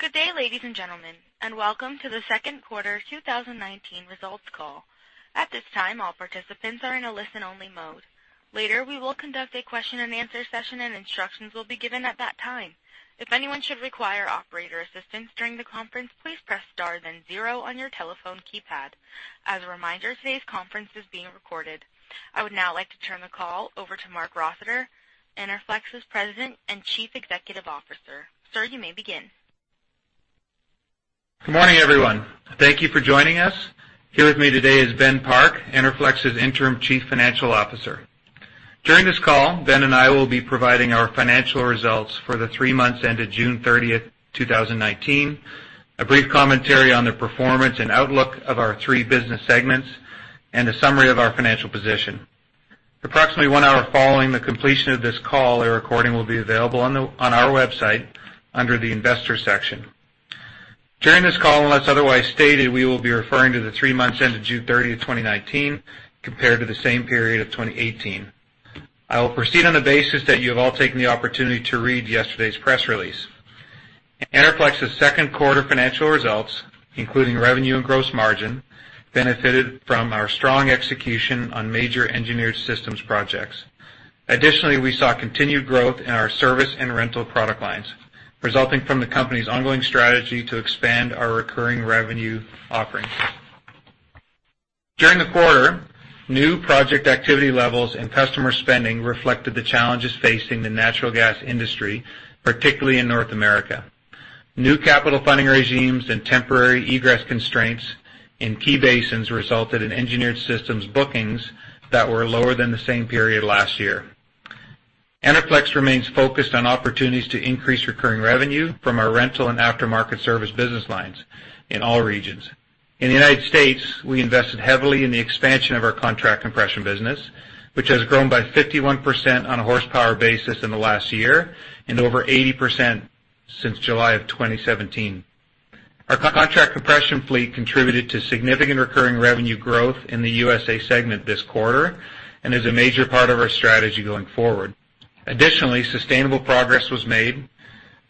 Good day, ladies and gentlemen, and welcome to the second quarter 2019 results call. At this time, all participants are in a listen-only mode. Later, we will conduct a question and answer session, and instructions will be given at that time. If anyone should require operator assistance during the conference, please press star then zero on your telephone keypad. As a reminder, today's conference is being recorded. I would now like to turn the call over to Marc Rossiter, Enerflex's President and Chief Executive Officer. Sir, you may begin. Good morning, everyone. Thank you for joining us. Here with me today is Ben Park, Enerflex's Interim Chief Financial Officer. During this call, Ben and I will be providing our financial results for the three months ended June 30th, 2019, a brief commentary on the performance and outlook of our three business segments, and a summary of our financial position. Approximately one hour following the completion of this call, a recording will be available on our website under the investor section. During this call, unless otherwise stated, we will be referring to the three months ended June 30th, 2019, compared to the same period of 2018. I will proceed on the basis that you have all taken the opportunity to read yesterday's press release. Enerflex's second quarter financial results, including revenue and gross margin, benefited from our strong execution on major Engineered Systems projects. Additionally, we saw continued growth in our service and rental product lines, resulting from the company's ongoing strategy to expand our recurring revenue offerings. During the quarter, new project activity levels and customer spending reflected the challenges facing the natural gas industry, particularly in North America. New capital funding regimes and temporary egress constraints in key basins resulted in Engineered Systems bookings that were lower than the same period last year. Enerflex remains focused on opportunities to increase recurring revenue from our rental and aftermarket service business lines in all regions. In the U.S., we invested heavily in the expansion of our contract compression business, which has grown by 51% on a horsepower basis in the last year and over 80% since July of 2017. Our contract compression fleet contributed to significant recurring revenue growth in the USA segment this quarter and is a major part of our strategy going forward. Additionally, sustainable progress was made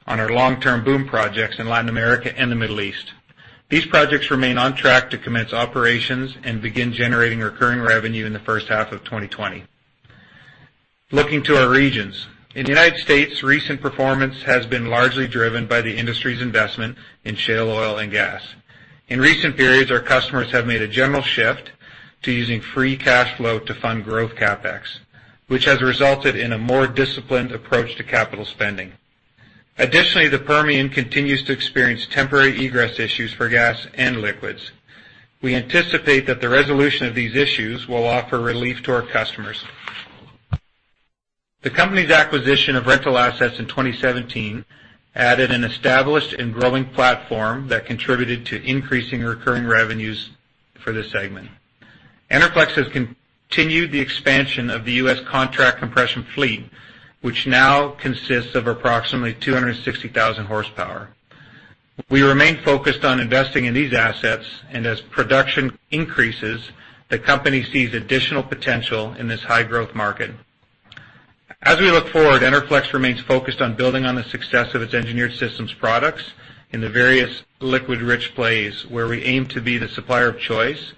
on our long-term BOOM projects in Latin America and the Middle East. These projects remain on track to commence operations and begin generating recurring revenue in the first half of 2020. Looking to our regions. In the United States, recent performance has been largely driven by the industry's investment in shale oil and gas. In recent periods, our customers have made a general shift to using free cash flow to fund growth CapEx, which has resulted in a more disciplined approach to capital spending. Additionally, the Permian continues to experience temporary egress issues for gas and liquids. We anticipate that the resolution of these issues will offer relief to our customers. The company's acquisition of rental assets in 2017 added an established and growing platform that contributed to increasing recurring revenues for this segment. Enerflex has continued the expansion of the U.S. contract compression fleet, which now consists of approximately 260,000 horsepower. We remain focused on investing in these assets, and as production increases, the company sees additional potential in this high-growth market. As we look forward, Enerflex remains focused on building on the success of its Engineered Systems products in the various liquid-rich plays where we aim to be the supplier of choice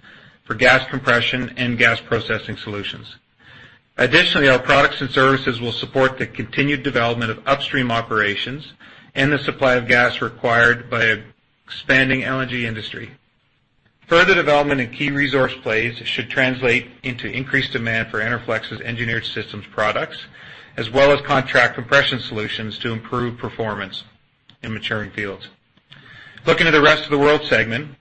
for gas compression and gas processing solutions. Additionally, our products and services will support the continued development of upstream operations and the supply of gas required by an expanding LNG industry. Further development in key resource plays should translate into increased demand for Enerflex's Engineered Systems products, as well as contract compression solutions to improve performance in maturing fields. Looking at the rest of the world segment,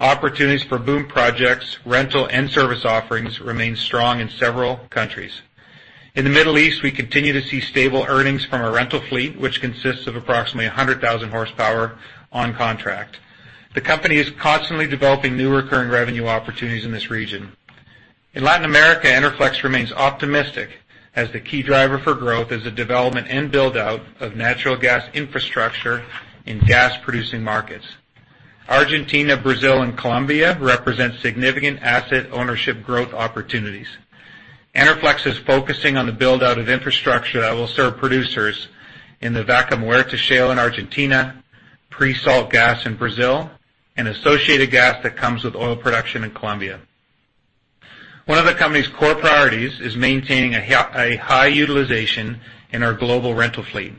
opportunities for BOOM projects, rental, and service offerings remain strong in several countries. In the Middle East, we continue to see stable earnings from our rental fleet, which consists of approximately 100,000 horsepower on contract. The company is constantly developing new recurring revenue opportunities in this region. In Latin America, Enerflex remains optimistic as the key driver for growth as a development and build-out of natural gas infrastructure in gas-producing markets. Argentina, Brazil, and Colombia represent significant asset ownership growth opportunities. Enerflex is focusing on the build-out of infrastructure that will serve producers in the Vaca Muerta shale in Argentina, pre-salt gas in Brazil, and associated gas that comes with oil production in Colombia. One of the company's core priorities is maintaining a high utilization in our global rental fleet.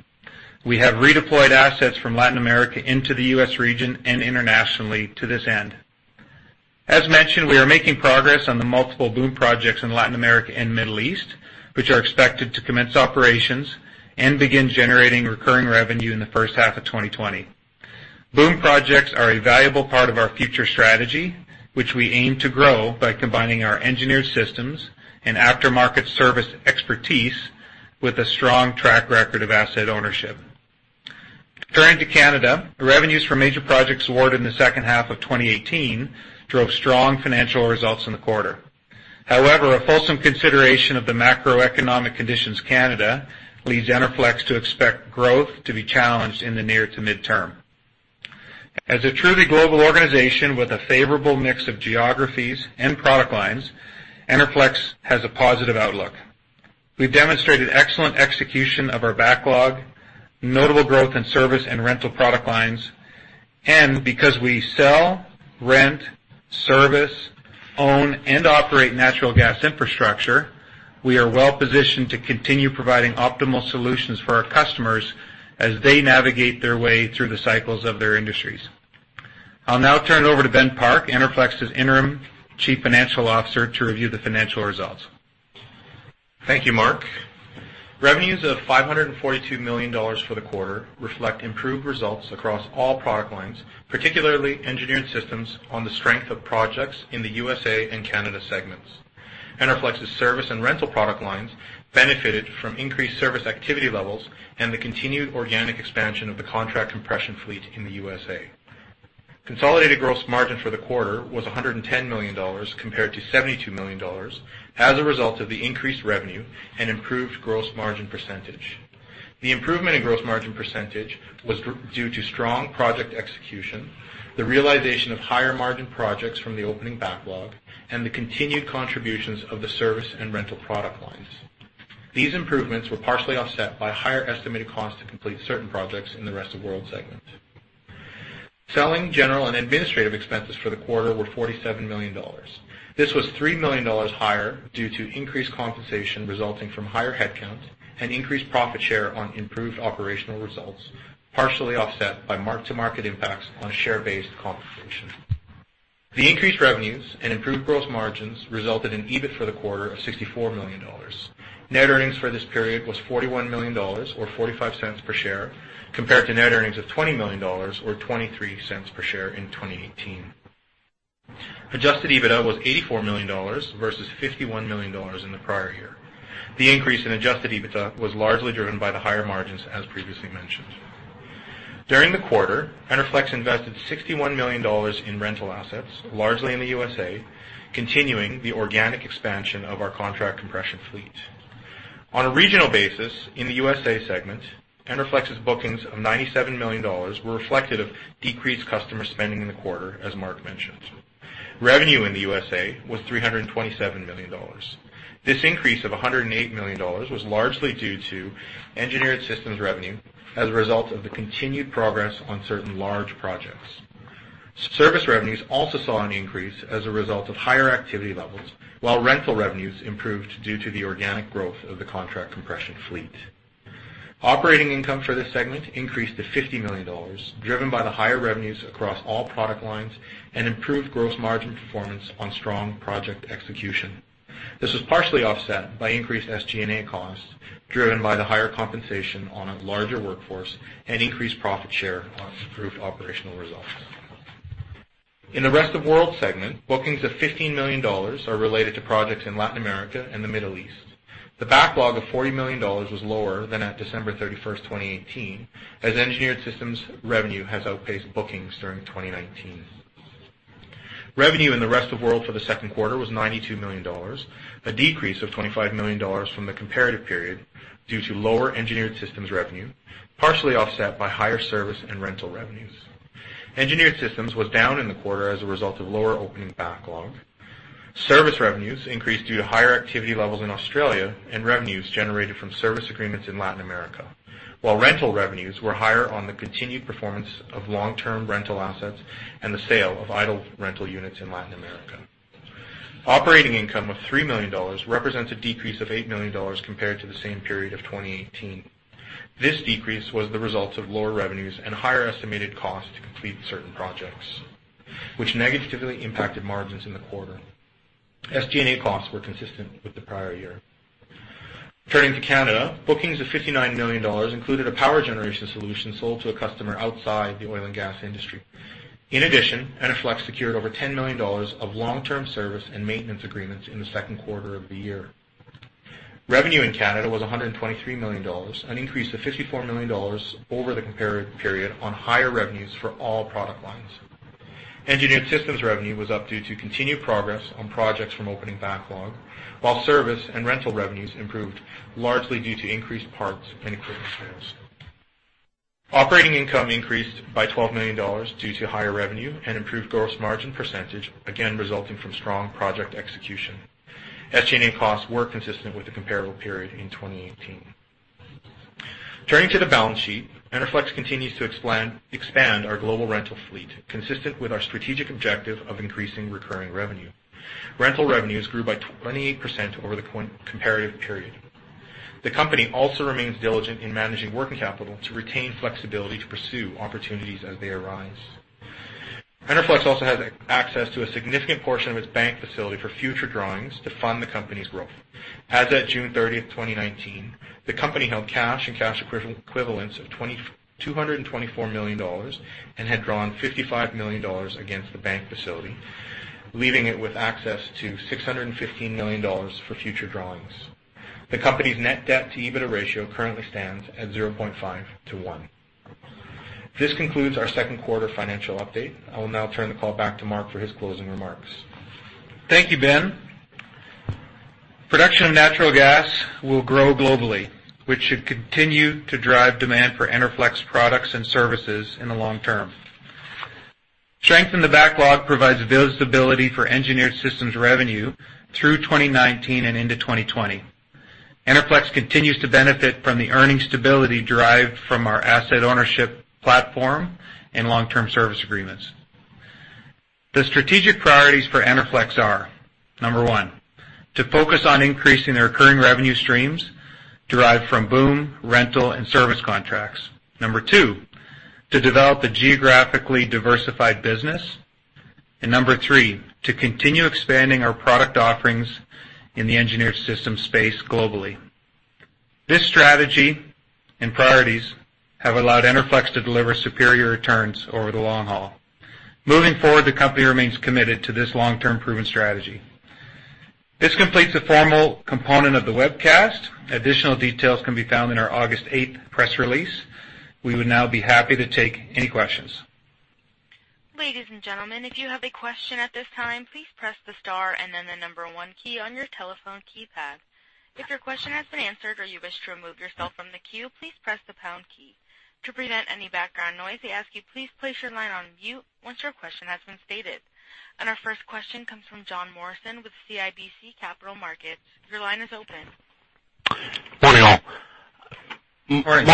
We have redeployed assets from Latin America into the U.S. region and internationally to this end. As mentioned, we are making progress on the multiple BOOM projects in Latin America and Middle East, which are expected to commence operations and begin generating recurring revenue in the first half of 2020. BOOM projects are a valuable part of our future strategy, which we aim to grow by combining our Engineered Systems and aftermarket service expertise with a strong track record of asset ownership. Turning to Canada, the revenues for major projects awarded in the second half of 2018 drove strong financial results in the quarter. A fulsome consideration of the macroeconomic conditions Canada leads Enerflex to expect growth to be challenged in the near to midterm. As a truly global organization with a favorable mix of geographies and product lines, Enerflex has a positive outlook. We've demonstrated excellent execution of our backlog, notable growth in service and rental product lines, and because we sell, rent, service, own, and operate natural gas infrastructure, we are well-positioned to continue providing optimal solutions for our customers as they navigate their way through the cycles of their industries. I'll now turn it over to Ben Park, Enerflex's Interim Chief Financial Officer, to review the financial results. Thank you, Marc. Revenues of 542 million dollars for the quarter reflect improved results across all product lines, particularly Engineered Systems on the strength of projects in the U.S.A. and Canada segments. Enerflex's service and rental product lines benefited from increased service activity levels and the continued organic expansion of the contract compression fleet in the U.S.A. Consolidated gross margin for the quarter was 110 million dollars, compared to 72 million dollars, as a result of the increased revenue and improved gross margin percentage. The improvement in gross margin percentage was due to strong project execution, the realization of higher margin projects from the opening backlog, and the continued contributions of the service and rental product lines. These improvements were partially offset by higher estimated costs to complete certain projects in the rest of world segment. Selling, general, and administrative expenses for the quarter were 47 million dollars. This was 3 million dollars higher due to increased compensation resulting from higher headcount and increased profit share on improved operational results, partially offset by mark-to-market impacts on share-based compensation. The increased revenues and improved gross margins resulted in EBIT for the quarter of 64 million dollars. Net earnings for this period was 41 million dollars, or 0.45 per share, compared to net earnings of 20 million dollars, or 0.23 per share, in 2018. Adjusted EBITDA was 84 million dollars, versus 51 million dollars in the prior year. The increase in adjusted EBITDA was largely driven by the higher margins, as previously mentioned. During the quarter, Enerflex invested 61 million dollars in rental assets, largely in the U.S.A., continuing the organic expansion of our contract compression fleet. On a regional basis, in the U.S.A. segment, Enerflex's bookings of 97 million dollars were reflective of decreased customer spending in the quarter, as Marc mentioned. Revenue in the U.S.A. was 327 million dollars. This increase of 108 million dollars was largely due to Engineered Systems revenue as a result of the continued progress on certain large projects. Service revenues also saw an increase as a result of higher activity levels, while rental revenues improved due to the organic growth of the contract compression fleet. Operating income for this segment increased to 50 million dollars, driven by the higher revenues across all product lines and improved gross margin performance on strong project execution. This was partially offset by increased SG&A costs, driven by the higher compensation on a larger workforce and increased profit share on improved operational results. In the rest of world segment, bookings of 15 million dollars are related to projects in Latin America and the Middle East. The backlog of 40 million dollars was lower than at December 31st, 2018, as Engineered Systems revenue has outpaced bookings during 2019. Revenue in the rest of world for the second quarter was 92 million dollars, a decrease of 25 million dollars from the comparative period due to lower Engineered Systems revenue, partially offset by higher service and rental revenues. Engineered Systems was down in the quarter as a result of lower opening backlog. Service revenues increased due to higher activity levels in Australia and revenues generated from service agreements in Latin America, while rental revenues were higher on the continued performance of long-term rental assets and the sale of idle rental units in Latin America. Operating income of 3 million dollars represents a decrease of 8 million dollars compared to the same period of 2018. This decrease was the result of lower revenues and higher estimated costs to complete certain projects, which negatively impacted margins in the quarter. SG&A costs were consistent with the prior year. Turning to Canada, bookings of 59 million dollars included a power generation solution sold to a customer outside the oil and gas industry. In addition, Enerflex secured over 10 million dollars of long-term service and maintenance agreements in the second quarter of the year. Revenue in Canada was 123 million dollars, an increase of 54 million dollars over the comparative period on higher revenues for all product lines. Engineered Systems revenue was up due to continued progress on projects from opening backlog, while service and rental revenues improved, largely due to increased parts and equipment sales. Operating income increased by 12 million dollars due to higher revenue and improved gross margin percentage, again, resulting from strong project execution. SG&A costs were consistent with the comparable period in 2018. Turning to the balance sheet, Enerflex continues to expand our global rental fleet, consistent with our strategic objective of increasing recurring revenue. Rental revenues grew by 28% over the comparative period. The company also remains diligent in managing working capital to retain flexibility to pursue opportunities as they arise. Enerflex also has access to a significant portion of its bank facility for future drawings to fund the company's growth. As at June 30th, 2019, the company held cash and cash equivalents of 224 million dollars and had drawn 55 million dollars against the bank facility, leaving it with access to 615 million dollars for future drawings. The company's net debt to EBITDA ratio currently stands at 0.5 to 1. This concludes our second quarter financial update. I will now turn the call back to Marc for his closing remarks. Thank you, Ben. Production of natural gas will grow globally, which should continue to drive demand for Enerflex products and services in the long term. Strength in the backlog provides visibility for Engineered Systems revenue through 2019 and into 2020. Enerflex continues to benefit from the earnings stability derived from our asset ownership platform and long-term service agreements. The strategic priorities for Enerflex are, number one, to focus on increasing the recurring revenue streams derived from BOOM, rental, and service contracts. Number two, to develop a geographically diversified business. Number three, to continue expanding our product offerings in the Engineered Systems space globally. This strategy and priorities have allowed Enerflex to deliver superior returns over the long haul. Moving forward, the company remains committed to this long-term proven strategy. This completes the formal component of the webcast. Additional details can be found in our August 8th press release. We would now be happy to take any questions. Ladies and gentlemen, if you have a question at this time, please press the star and then the number 1 key on your telephone keypad. If your question has been answered or you wish to remove yourself from the queue, please press the pound key. To prevent any background noise, we ask you please place your line on mute once your question has been stated. Our first question comes from John Morrison with CIBC Capital Markets. Your line is open. Morning, all. Morning.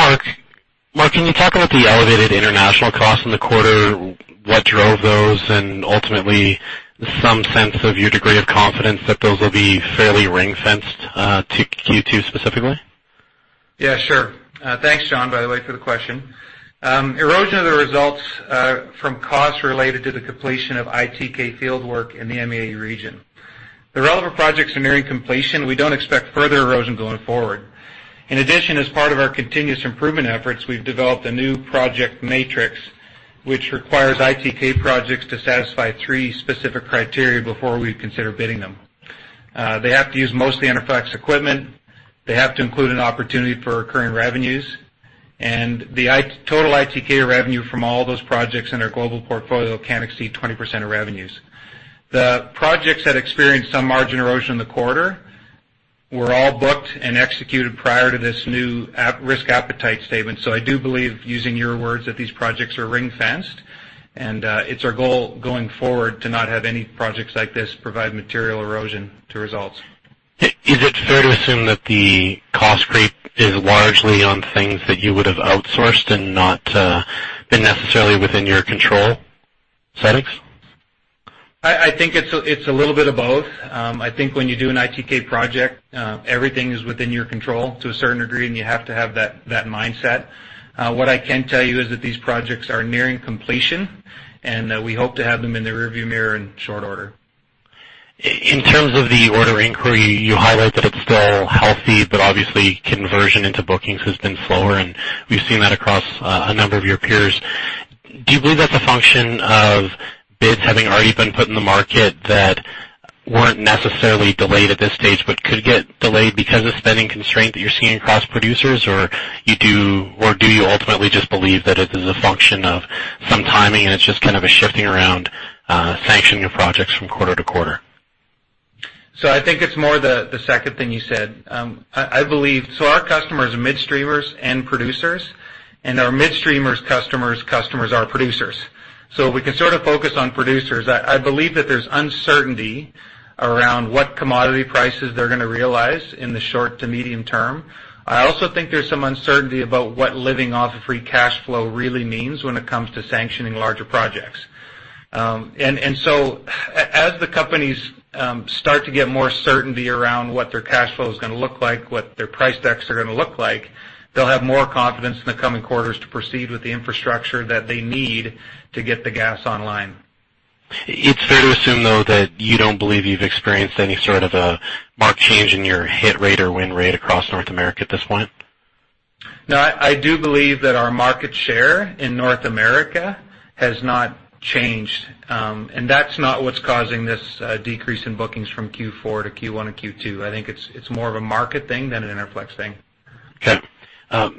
Marc, can you talk about the elevated international costs in the quarter, what drove those, and ultimately some sense of your degree of confidence that those will be fairly ring-fenced to Q2 specifically? Yeah, sure. Thanks, John, by the way, for the question. Erosion of the results from costs related to the completion of ITK fieldwork in the MEA region. The relevant projects are nearing completion. We don't expect further erosion going forward. In addition, as part of our continuous improvement efforts, we've developed a new project matrix, which requires ITK projects to satisfy three specific criteria before we consider bidding them. They have to use mostly Enerflex equipment, they have to include an opportunity for recurring revenues, and the total ITK revenue from all those projects in our global portfolio can't exceed 20% of revenues. The projects that experienced some margin erosion in the quarter were all book and executed prior to this new risk appetite statement. I do believe, using your words, that these projects are ring-fenced, and it's our goal going forward to not have any projects like this provide material erosion to results. Is it fair to assume that the cost creep is largely on things that you would have outsourced and not been necessarily within your control settings? I think it's a little bit of both. I think when you do an ITK project, everything is within your control to a certain degree, and you have to have that mindset. What I can tell you is that these projects are nearing completion, and we hope to have them in the rear view mirror in short order. In terms of the order inquiry, you highlight that it's still healthy, but obviously conversion into bookings has been slower, and we've seen that across a number of your peers. Do you believe that's a function of bids having already been put in the market that weren't necessarily delayed at this stage, but could get delayed because of spending constraint that you're seeing across producers? Do you ultimately just believe that it is a function of some timing, and it's just kind of a shifting around sanctioning of projects from quarter to quarter? I think it's more the second thing you said. Our customers are midstreamers and producers, and our midstreamers customers' customers are producers. We can sort of focus on producers. I believe that there's uncertainty around what commodity prices they're going to realize in the short to medium term. I also think there's some uncertainty about what living off of free cash flow really means when it comes to sanctioning larger projects. As the companies start to get more certainty around what their cash flow is going to look like, what their price decks are going to look like, they'll have more confidence in the coming quarters to proceed with the infrastructure that they need to get the gas online. It's fair to assume, though, that you don't believe you've experienced any sort of a marked change in your hit rate or win rate across North America at this point? No, I do believe that our market share in North America has not changed. That's not what's causing this decrease in bookings from Q4 to Q1 and Q2. I think it's more of a market thing than an Enerflex thing. Okay.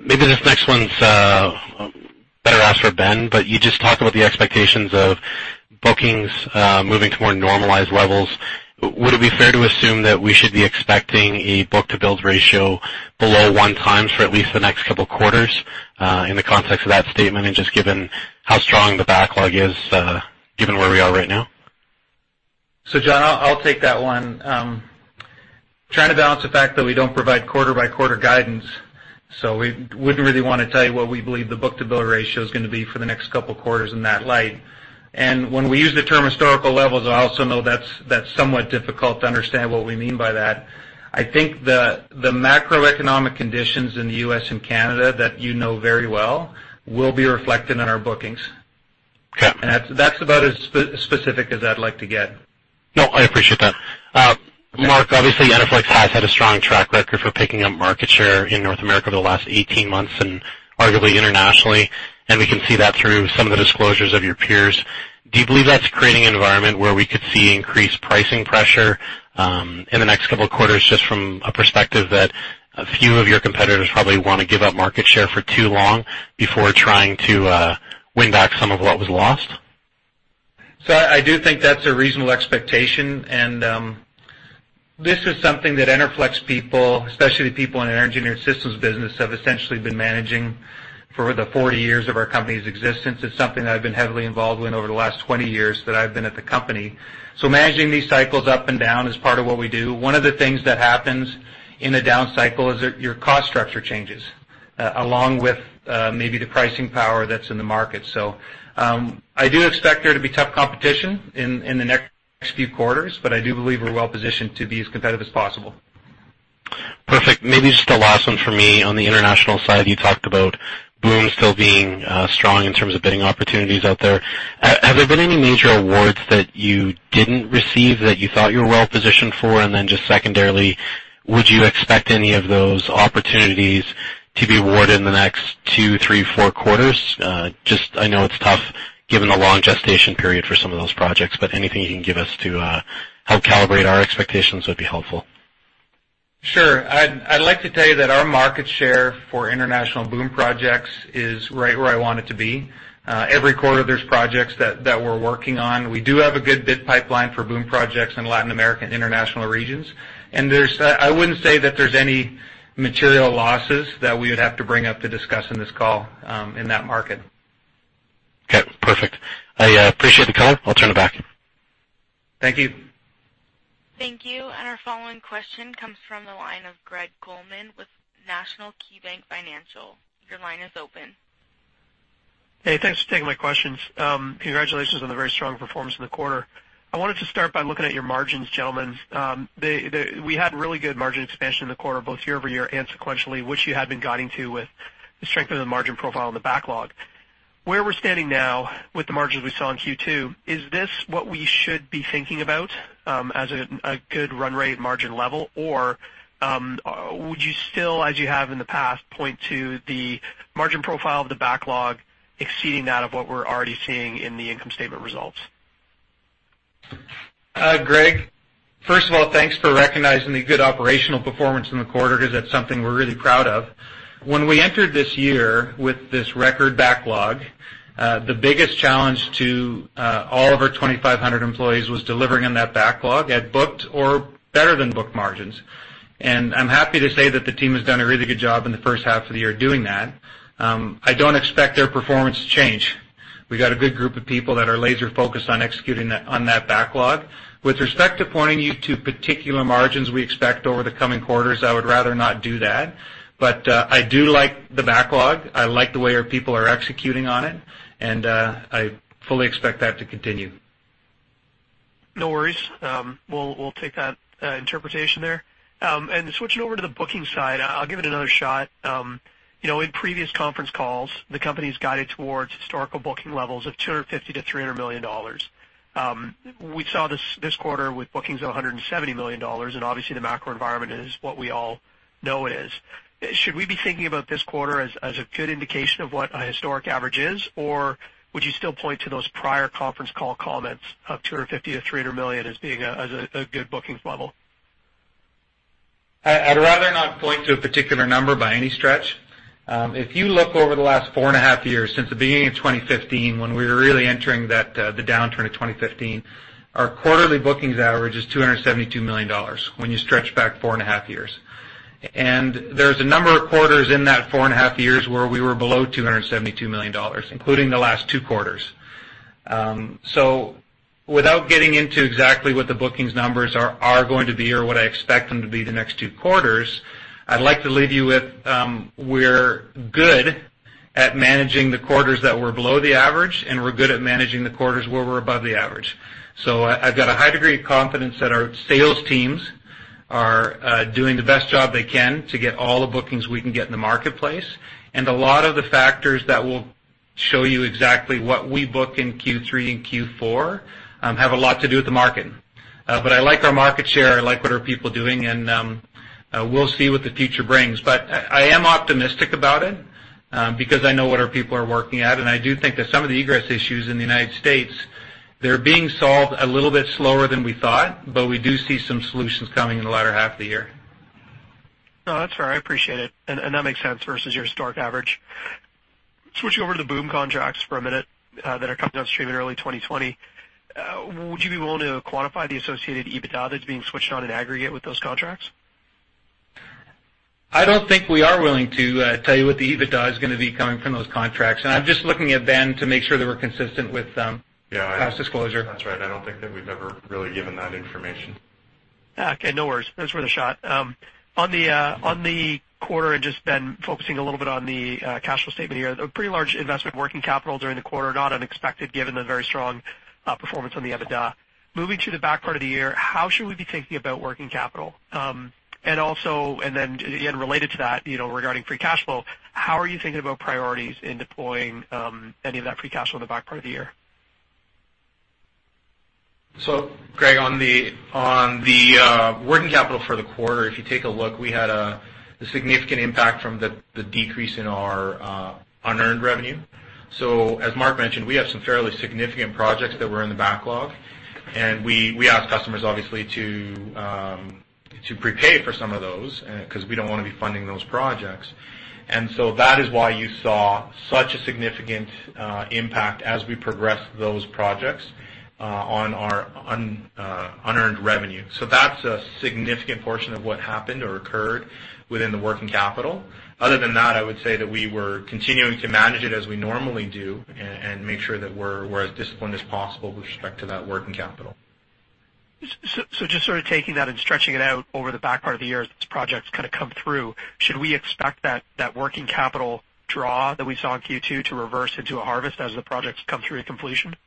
Maybe this next one's better asked for Ben, but you just talked about the expectations of bookings moving to more normalized levels. Would it be fair to assume that we should be expecting a book-to-bill ratio below one times for at least the next couple of quarters in the context of that statement and just given how strong the backlog is, given where we are right now? John, I'll take that one. Trying to balance the fact that we don't provide quarter-by-quarter guidance, so we wouldn't really want to tell you what we believe the book-to-bill ratio is going to be for the next couple of quarters in that light. When we use the term historical levels, I also know that's somewhat difficult to understand what we mean by that. I think the macroeconomic conditions in the U.S. and Canada that you know very well will be reflected in our bookings. Okay. That's about as specific as I'd like to get. No, I appreciate that. Marc, obviously Enerflex has had a strong track record for picking up market share in North America over the last 18 months and arguably internationally, and we can see that through some of the disclosures of your peers. Do you believe that is creating an environment where we could see increased pricing pressure in the next couple of quarters, just from a perspective that a few of your competitors probably want to give up market share for too long before trying to win back some of what was lost? I do think that's a reasonable expectation. This is something that Enerflex people, especially people in our Engineered Systems business, have essentially been managing for the 40 years of our company's existence. It's something that I've been heavily involved with over the last 20 years that I've been at the company. Managing these cycles up and down is part of what we do. One of the things that happens in a down cycle is that your cost structure changes, along with maybe the pricing power that's in the market. I do expect there to be tough competition in the next few quarters, but I do believe we're well positioned to be as competitive as possible. Perfect. Maybe just the last one from me. On the international side, you talked about BOOM still being strong in terms of bidding opportunities out there. Have there been any major awards that you didn't receive that you thought you were well positioned for? Just secondarily, would you expect any of those opportunities to be awarded in the next two, three, four quarters? I know it's tough given the long gestation period for some of those projects, but anything you can give us to help calibrate our expectations would be helpful. Sure. I'd like to tell you that our market share for international BOOM projects is right where I want it to be. Every quarter, there's projects that we're working on. We do have a good bid pipeline for BOOM projects in Latin America and international regions. I wouldn't say that there's any material losses that we would have to bring up to discuss in this call, in that market. Okay, perfect. I appreciate the color. I'll turn it back. Thank you. Thank you. Our following question comes from the line of Greg Colman with National Bank Financial. Your line is open. Hey, thanks for taking my questions. Congratulations on the very strong performance in the quarter. I wanted to start by looking at your margins, gentlemen. We had really good margin expansion in the quarter, both year-over-year and sequentially, which you had been guiding to with the strength of the margin profile in the backlog. Where we're standing now with the margins we saw in Q2, is this what we should be thinking about, as a good run rate margin level? Would you still, as you have in the past, point to the margin profile of the backlog exceeding that of what we're already seeing in the income statement results? Greg, first of all, thanks for recognizing the good operational performance in the quarter, because that's something we're really proud of. When we entered this year with this record backlog, the biggest challenge to all of our 2,500 employees was delivering on that backlog at booked or better than booked margins. I'm happy to say that the team has done a really good job in the first half of the year doing that. I don't expect their performance to change. We got a good group of people that are laser focused on executing on that backlog. With respect to pointing you to particular margins we expect over the coming quarters, I would rather not do that. I do like the backlog. I like the way our people are executing on it, and I fully expect that to continue. No worries. We'll take that interpretation there. Switching over to the booking side, I'll give it another shot. In previous conference calls, the company's guided towards historical booking levels of 250 million-300 million dollars. We saw this quarter with bookings of 170 million dollars, and obviously the macro environment is what we all know it is. Should we be thinking about this quarter as a good indication of what a historic average is? Would you still point to those prior conference call comments of 250 million-300 million as being a good bookings level? I'd rather not point to a particular number by any stretch. If you look over the last four and a half years, since the beginning of 2015, when we were really entering the downturn of 2015, our quarterly bookings average is 272 million dollars when you stretch back four and a half years. There's a number of quarters in that four and a half years where we were below 272 million dollars, including the last two quarters. Without getting into exactly what the bookings numbers are going to be or what I expect them to be the next two quarters, I'd like to leave you with, we're good at managing the quarters that we're below the average, and we're good at managing the quarters where we're above the average. I've got a high degree of confidence that our sales teams are doing the best job they can to get all the bookings we can get in the marketplace. A lot of the factors that will show you exactly what we book in Q3 and Q4 have a lot to do with the market. I like our market share. I like what our people are doing, and we'll see what the future brings. I am optimistic about it, because I know what our people are working at, and I do think that some of the egress issues in the U.S., they're being solved a little bit slower than we thought, but we do see some solutions coming in the latter half of the year. No, that's fair. I appreciate it. That makes sense versus your historic average. Switching over to the BOOM contracts for a minute that are coming downstream in early 2020. Would you be willing to quantify the associated EBITDA that's being switched on in aggregate with those contracts? I don't think we are willing to tell you what the EBITDA is going to be coming from those contracts. I'm just looking at Ben to make sure that we're consistent with. Yeah past disclosure. That's right. I don't think that we've ever really given that information. Okay, no worries. It was worth a shot. On the quarter, just, Ben, focusing a little bit on the cash flow statement here. A pretty large investment in working capital during the quarter, not unexpected given the very strong performance on the EBITDA. Moving to the back part of the year, how should we be thinking about working capital? Then again, related to that, regarding free cash flow, how are you thinking about priorities in deploying any of that free cash flow in the back part of the year? Greg, on the working capital for the quarter, if you take a look, we had a significant impact from the decrease in our unearned revenue. As Marc mentioned, we have some fairly significant projects that were in the backlog, and we ask customers obviously to prepay for some of those, because we don't want to be funding those projects. That is why you saw such a significant impact as we progressed those projects on our unearned revenue. That's a significant portion of what happened or occurred within the working capital. Other than that, I would say that we were continuing to manage it as we normally do and make sure that we're as disciplined as possible with respect to that working capital. Just sort of taking that and stretching it out over the back part of the year as projects kind of come through, should we expect that working capital draw that we saw in Q2 to reverse into a harvest as the projects come through to completion? Yeah,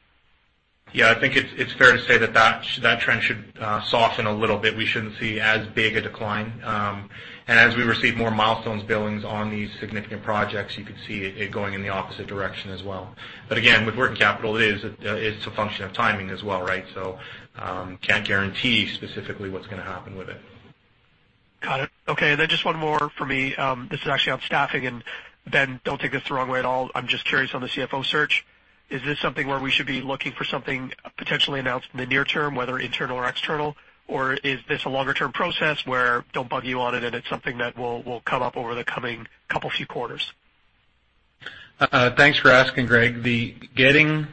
I think it's fair to say that trend should soften a little bit. We shouldn't see as big a decline. As we receive more milestones billings on these significant projects, you could see it going in the opposite direction as well. Again, with working capital, it's a function of timing as well, right? Can't guarantee specifically what's going to happen with it. Got it. Okay, just one more from me. This is actually on staffing, Ben, don't take this the wrong way at all. I'm just curious on the CFO search. Is this something where we should be looking for something potentially announced in the near term, whether internal or external? Is this a longer-term process where, don't bug you on it, and it's something that will come up over the coming couple few quarters? Thanks for asking, Greg. The getting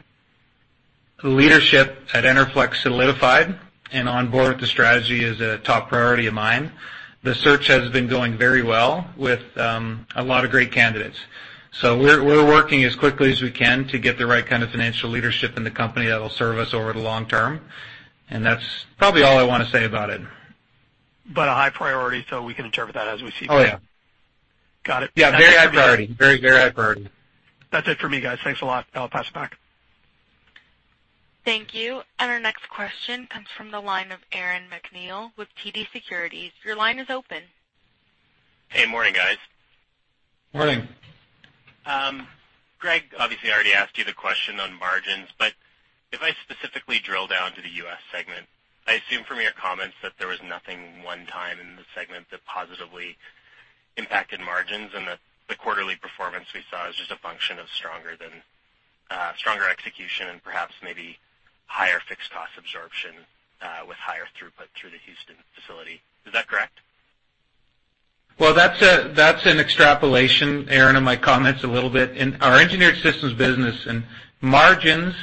leadership at Enerflex solidified and on board with the strategy is a top priority of mine. The search has been going very well with a lot of great candidates. We're working as quickly as we can to get the right kind of financial leadership in the company that'll serve us over the long term. That's probably all I want to say about it. A high priority, so we can interpret that as we see fit. Oh, yeah. Got it. Yeah, very high priority. Very high priority. That's it for me, guys. Thanks a lot. I'll pass it back. Thank you. Our next question comes from the line of Aaron MacNeil with TD Securities. Your line is open. Hey, morning, guys. Morning. Greg, obviously I already asked you the question on margins, if I specifically drill down to the U.S. segment, I assume from your comments that there was nothing one time in the segment that positively impacted margins and that the quarterly performance we saw is just a function of stronger execution and perhaps maybe higher fixed cost absorption with higher throughput through the Houston facility. Is that correct? Well, that's an extrapolation, Aaron, of my comments a little bit. In our Engineered Systems business, margins,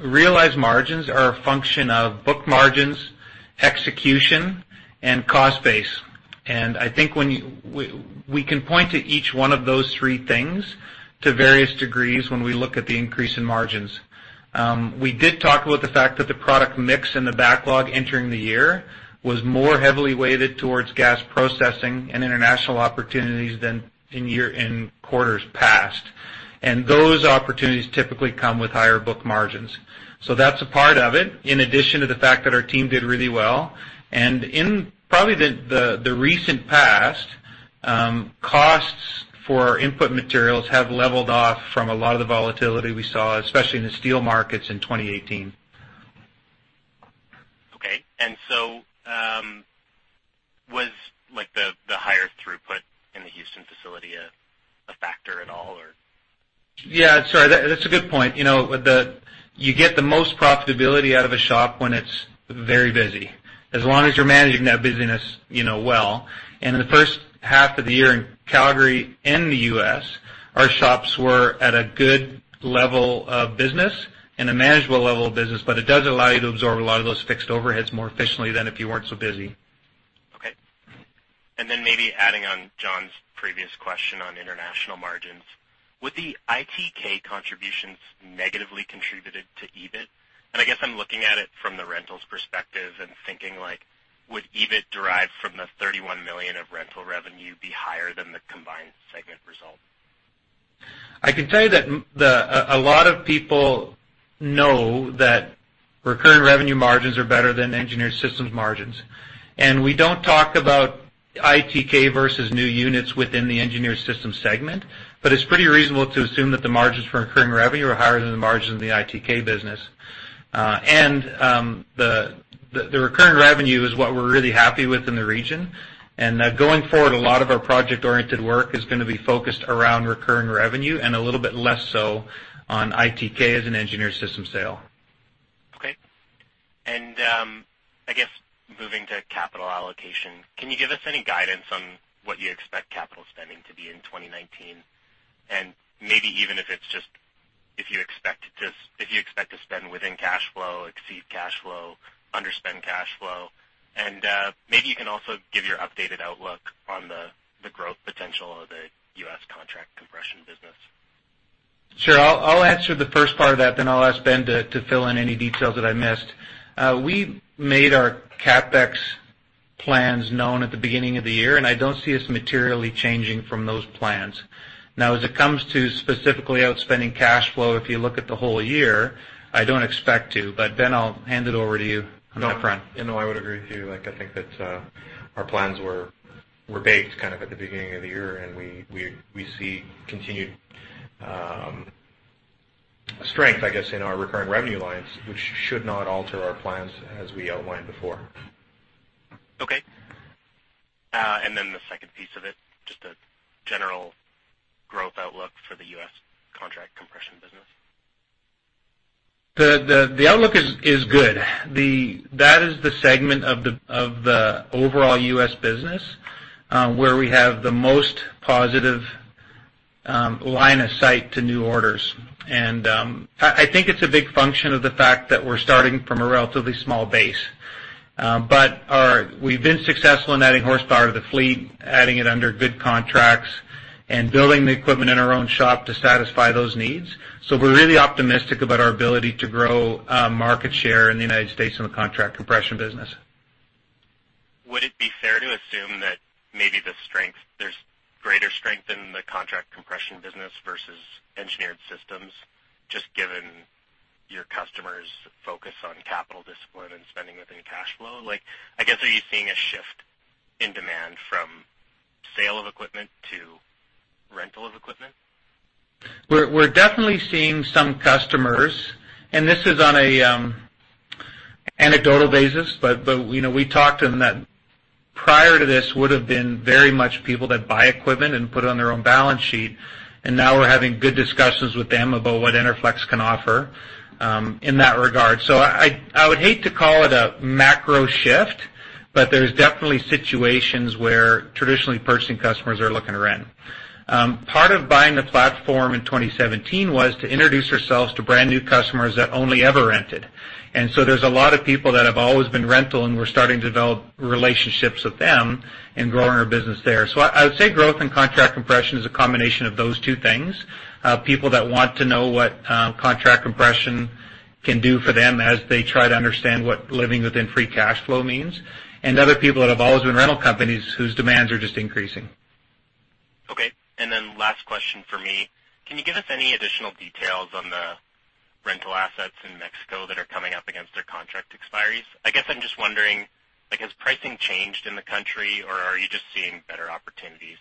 realized margins are a function of book margins, execution, and cost base. I think we can point to each one of those three things to various degrees when we look at the increase in margins. We did talk about the fact that the product mix and the backlog entering the year was more heavily weighted towards gas processing and international opportunities than in quarters past. Those opportunities typically come with higher book margins. That's a part of it, in addition to the fact that our team did really well. In probably the recent past, costs for input materials have leveled off from a lot of the volatility we saw, especially in the steel markets in 2018. Okay. Was the higher throughput in the Houston facility a factor at all, or? Yeah, sorry, that's a good point. You get the most profitability out of a shop when it's very busy. As long as you're managing that busyness well, and in the first half of the year in Calgary and the U.S., our shops were at a good level of business and a manageable level of business, but it does allow you to absorb a lot of those fixed overheads more efficiently than if you weren't so busy. Okay. Maybe adding on John's previous question on international margins, would the ITK contributions negatively contributed to EBIT? I guess I'm looking at it from the rentals perspective and thinking, would EBIT derive from the 31 million of rental revenue be higher than the combined segment result? I can tell you that a lot of people know that recurring revenue margins are better than Engineered Systems margins. We don't talk about ITK versus new units within the Engineered Systems segment, but it's pretty reasonable to assume that the margins for recurring revenue are higher than the margins in the ITK business. The recurring revenue is what we're really happy with in the region. Going forward, a lot of our project-oriented work is going to be focused around recurring revenue and a little bit less so on ITK as an Engineered Systems sale. Okay. I guess moving to capital allocation, can you give us any guidance on what you expect capital spending to be in 2019? Maybe even if it's just, if you expect to spend within cash flow, exceed cash flow, underspend cash flow. Maybe you can also give your updated outlook on the growth potential of the U.S. contract compression business. Sure. I'll answer the first part of that, then I'll ask Ben to fill in any details that I missed. We made our CapEx plans known at the beginning of the year, and I don't see us materially changing from those plans. Now, as it comes to specifically outspending cash flow, if you look at the whole year, I don't expect to, but Ben, I'll hand it over to you on that front. No, I would agree with you. I think that our plans were baked kind of at the beginning of the year. We see continued strength, I guess, in our recurring revenue lines, which should not alter our plans as we outlined before. Okay. Then the second piece of it, just a general growth outlook for the U.S. contract compression business. The outlook is good. That is the segment of the overall U.S. business where we have the most positive line of sight to new orders. I think it's a big function of the fact that we're starting from a relatively small base. We've been successful in adding horsepower to the fleet, adding it under good contracts, and building the equipment in our own shop to satisfy those needs. We're really optimistic about our ability to grow market share in the United States on the contract compression business. Would it be fair to assume that maybe there's greater strength in the contract compression business versus Engineered Systems, just given your customers' focus on capital discipline and spending within cash flow? I guess, are you seeing a shift in demand from sale of equipment to rental of equipment? We're definitely seeing some customers, and this is on an anecdotal basis, but we talked to them that prior to this would've been very much people that buy equipment and put it on their own balance sheet. Now we're having good discussions with them about what Enerflex can offer in that regard. I would hate to call it a macro shift, but there's definitely situations where traditionally purchasing customers are looking to rent. Part of buying the platform in 2017 was to introduce ourselves to brand new customers that only ever rented. There's a lot of people that have always been rental, and we're starting to develop relationships with them and growing our business there. I would say growth and contract compression is a combination of those two things. People that want to know what contract compression can do for them as they try to understand what living within free cash flow means, and other people that have always been rental companies whose demands are just increasing. Okay. Last question from me. Can you give us any additional details on the rental assets in Mexico that are coming up against their contract expiries? I guess I'm just wondering, has pricing changed in the country, or are you just seeing better opportunities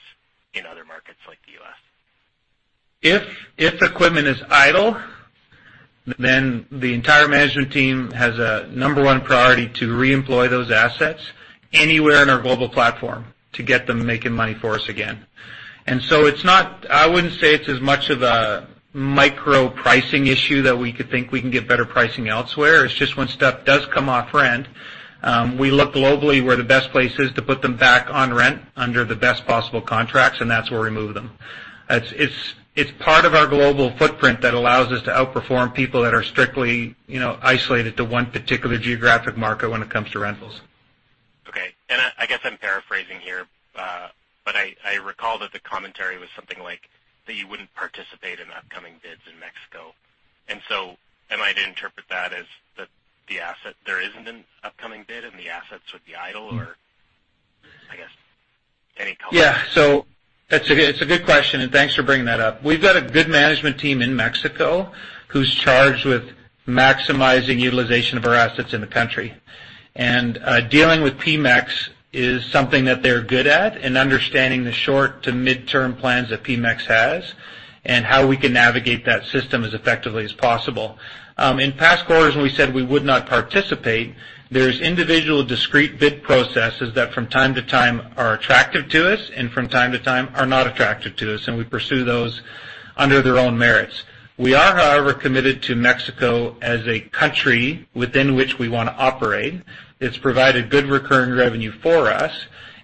in other markets like the U.S.? If equipment is idle, the entire management team has a number one priority to reemploy those assets anywhere in our global platform to get them making money for us again. I wouldn't say it's as much of a micro pricing issue that we could think we can get better pricing elsewhere. It's just when stuff does come off rent, we look globally where the best place is to put them back on rent under the best possible contracts, and that's where we move them. It's part of our global footprint that allows us to outperform people that are strictly isolated to one particular geographic market when it comes to rentals. Okay. I guess I'm paraphrasing here, but I recall that the commentary was something like that you wouldn't participate in upcoming bids in Mexico. Am I to interpret that as there isn't an upcoming bid, and the assets would be idle, or I guess any comment? Yeah. It's a good question, and thanks for bringing that up. We've got a good management team in Mexico who's charged with maximizing utilization of our assets in the country. Dealing with Pemex is something that they're good at, and understanding the short to midterm plans that Pemex has and how we can navigate that system as effectively as possible. In past quarters, when we said we would not participate, there's individual discrete bid processes that from time to time are attractive to us, and from time to time are not attractive to us, and we pursue those under their own merits. We are, however, committed to Mexico as a country within which we want to operate. It's provided good recurring revenue for us,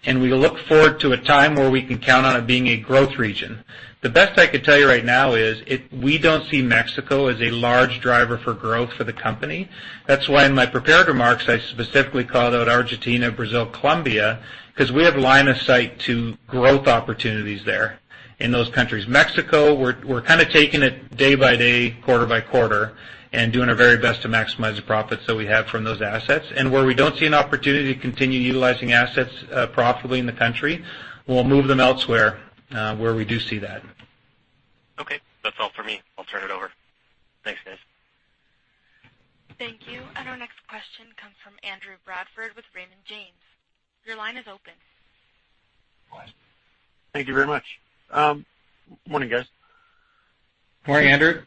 and we look forward to a time where we can count on it being a growth region. The best I could tell you right now is we don't see Mexico as a large driver for growth for the company. That's why in my prepared remarks, I specifically called out Argentina, Brazil, Colombia, because we have line of sight to growth opportunities there in those countries. Mexico, we're kind of taking it day by day, quarter by quarter, and doing our very best to maximize the profits that we have from those assets. Where we don't see an opportunity to continue utilizing assets profitably in the country, we'll move them elsewhere where we do see that. Okay. That's all for me. I'll turn it over. Thanks, guys. Thank you. Our next question comes from Andrew Bradford with Raymond James. Your line is open. Thank you very much. Morning, guys. Morning, Andrew.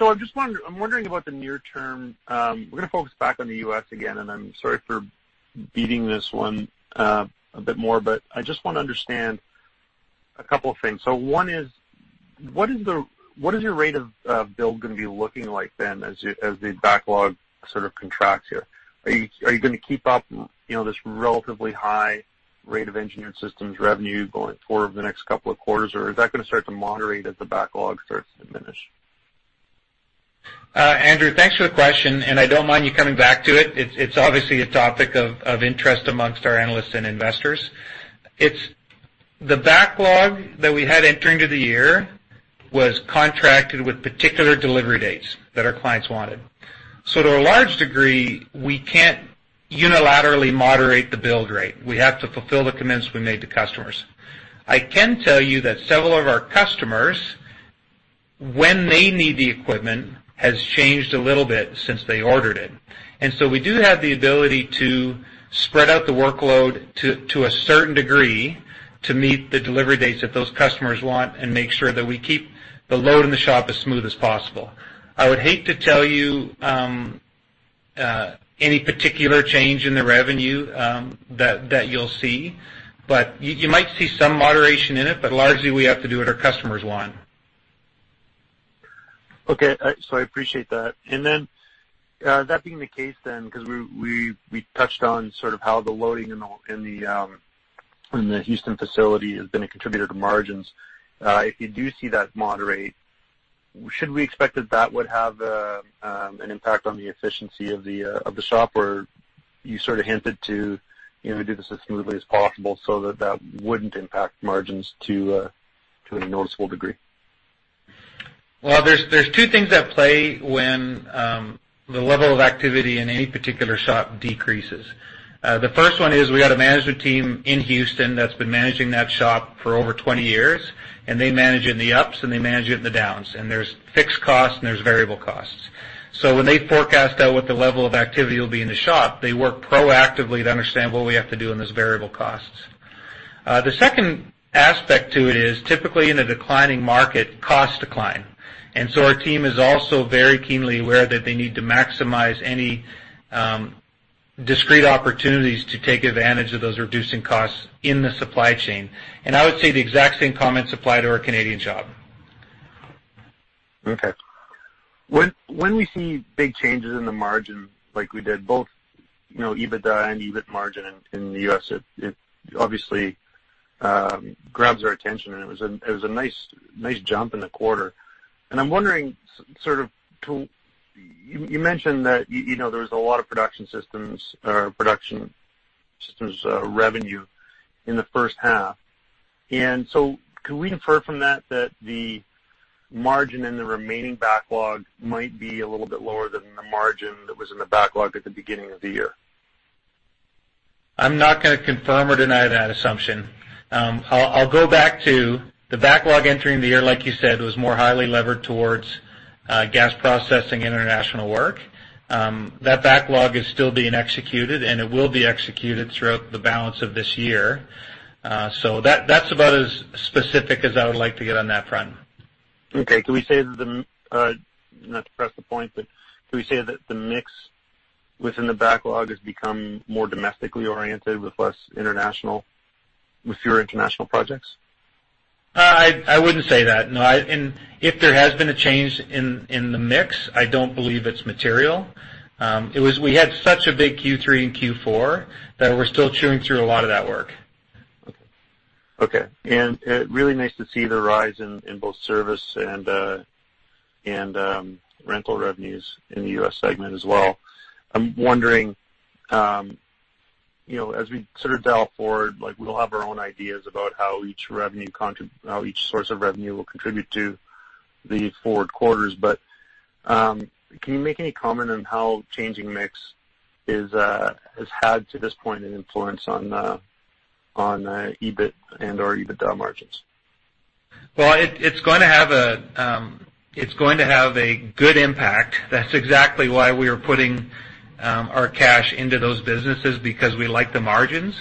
I'm wondering about the near term. We're going to focus back on the U.S. again, and I'm sorry for beating this one a bit more, but I just want to understand a couple of things. One is, what is your rate of build going to be looking like then as the backlog sort of contracts here? Are you going to keep up this relatively high rate of Engineered Systems revenue going forward the next couple of quarters, or is that going to start to moderate as the backlog starts to diminish? Andrew, thanks for the question, and I don't mind you coming back to it. It's obviously a topic of interest amongst our analysts and investors. The backlog that we had entering into the year was contracted with particular delivery dates that our clients wanted. To a large degree, we can't unilaterally moderate the build rate. We have to fulfill the commitments we made to customers. I can tell you that several of our customers, when they need the equipment, has changed a little bit since they ordered it. We do have the ability to spread out the workload to a certain degree to meet the delivery dates that those customers want and make sure that we keep the load in the shop as smooth as possible. Any particular change in the revenue that you'll see. You might see some moderation in it, but largely we have to do what our customers want. Okay. I appreciate that. That being the case then, because we touched on sort of how the loading in the Houston facility has been a contributor to margins. If you do see that moderate, should we expect that that would have an impact on the efficiency of the shop? Or you sort of hinted to do this as smoothly as possible so that that wouldn't impact margins to a noticeable degree? There's two things at play when the level of activity in any particular shop decreases. The first one is we got a management team in Houston that's been managing that shop for over 20 years, and they manage it in the ups, and they manage it in the downs, and there's fixed costs, and there's variable costs. When they forecast out what the level of activity will be in the shop, they work proactively to understand what we have to do in those variable costs. The second aspect to it is, typically in a declining market, costs decline. Our team is also very keenly aware that they need to maximize any discrete opportunities to take advantage of those reducing costs in the supply chain. I would say the exact same comments apply to our Canadian shop. Okay. When we see big changes in the margin like we did both, EBITDA and EBIT margin in the U.S., it obviously grabs our attention, and it was a nice jump in the quarter. I'm wondering, You mentioned that there was a lot of Production Systems revenue in the first half. Can we infer from that that the margin in the remaining backlog might be a little bit lower than the margin that was in the backlog at the beginning of the year? I'm not going to confirm or deny that assumption. I'll go back to the backlog entering the year, like you said, was more highly levered towards gas processing international work. That backlog is still being executed, and it will be executed throughout the balance of this year. That's about as specific as I would like to get on that front. Okay. Can we say that the Not to press the point, but can we say that the mix within the backlog has become more domestically oriented with fewer international projects? I wouldn't say that, no. If there has been a change in the mix, I don't believe it's material. We had such a big Q3 and Q4 that we're still chewing through a lot of that work. Okay. Really nice to see the rise in both service and rental revenues in the U.S. segment as well. I'm wondering, as we sort of dial forward, we'll have our own ideas about how each source of revenue will contribute to the forward quarters. But can you make any comment on how changing mix has had to this point an influence on EBIT and/or EBITDA margins? It's going to have a good impact. That's exactly why we are putting our cash into those businesses, because we like the margins.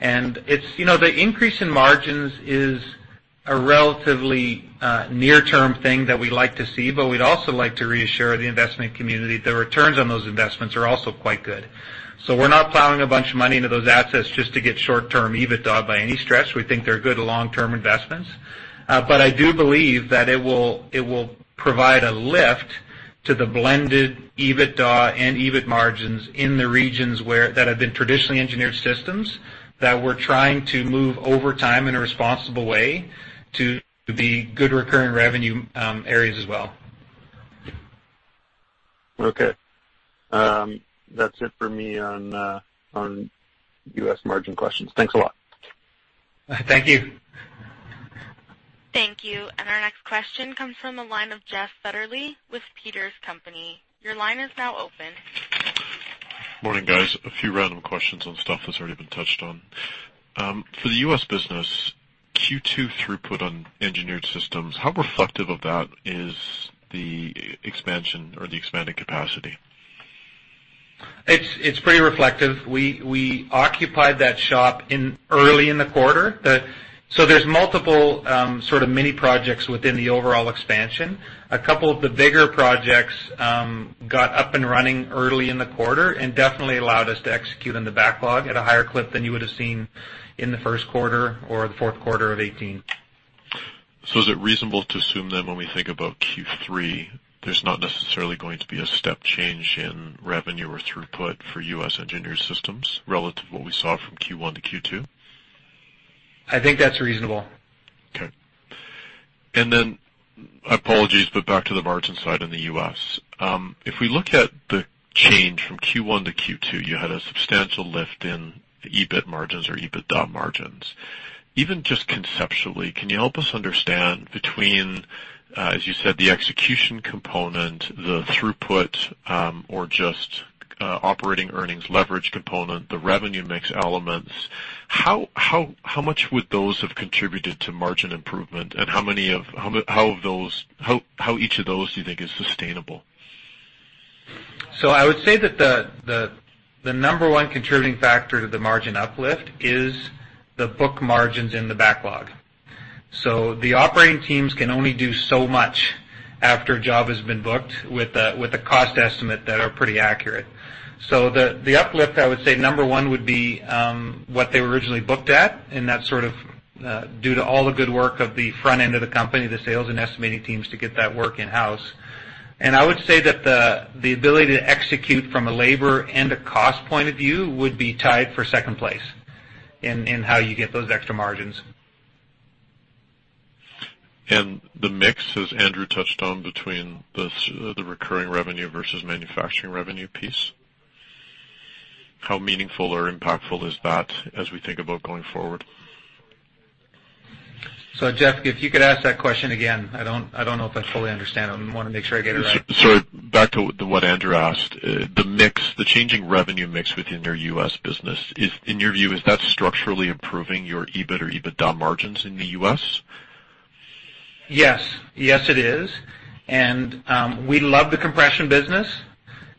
The increase in margins is a relatively near-term thing that we'd like to see, but we'd also like to reassure the investment community the returns on those investments are also quite good. We're not plowing a bunch of money into those assets just to get short-term EBITDA by any stretch. We think they're good long-term investments. I do believe that it will provide a lift to the blended EBITDA and EBIT margins in the regions that have been traditionally Engineered Systems that we're trying to move over time in a responsible way to the good recurring revenue areas as well. Okay. That's it for me on U.S. margin questions. Thanks a lot. Thank you. Thank you. Our next question comes from the line of Jeff Fetterly with Peters & Co. Limited. Your line is now open. Morning, guys. A few random questions on stuff that's already been touched on. For the U.S. business, Q2 throughput on Engineered Systems, how reflective of that is the expansion or the expanded capacity? It's pretty reflective. We occupied that shop early in the quarter. There's multiple sort of mini projects within the overall expansion. A couple of the bigger projects got up and running early in the quarter and definitely allowed us to execute on the backlog at a higher clip than you would've seen in the first quarter or the fourth quarter of 2018. Is it reasonable to assume then when we think about Q3, there's not necessarily going to be a step change in revenue or throughput for U.S. Engineered Systems relative to what we saw from Q1 to Q2? I think that's reasonable. Okay. Apologies, back to the margin side in the U.S. If we look at the change from Q1 to Q2, you had a substantial lift in the EBIT margins or EBITDA margins. Even just conceptually, can you help us understand between, as you said, the execution component, the throughput, or just operating earnings leverage component, the revenue mix elements, how much would those have contributed to margin improvement, and how each of those do you think is sustainable? I would say that the number one contributing factor to the margin uplift is the book margins in the backlog. The operating teams can only do so much after a job has been booked with a cost estimate that are pretty accurate. The uplift, I would say number one would be what they were originally booked at, and that's sort of due to all the good work of the front end of the company, the sales and estimating teams, to get that work in-house. I would say that the ability to execute from a labor and a cost point of view would be tied for second place in how you get those extra margins. The mix, as Andrew touched on, between the recurring revenue versus manufacturing revenue piece, how meaningful or impactful is that as we think about going forward? Jeff, if you could ask that question again, I don't know if I fully understand it. I want to make sure I get it right. Sorry, back to what Andrew asked. The changing revenue mix within your U.S. business, in your view, is that structurally improving your EBIT or EBITDA margins in the U.S.? Yes. Yes, it is. We love the compression business.